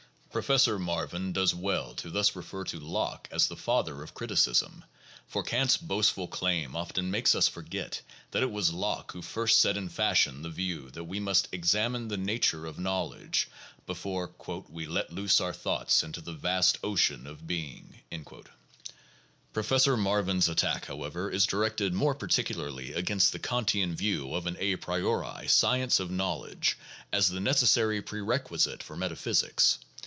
Professor Marvin does well to thus refer to Locke as the father of criticism, for Kant's boastful claim often makes us forget that it was Locke who first set in fashion the view that we must examine the nature of knowledge before "we let loose our thoughts into the vast ocean of being." 8 Professor Marvin's attack, however, is directed more particularly against the Kantian view of an a priori science of knowledge as the necessary prerequisite for metaphysics.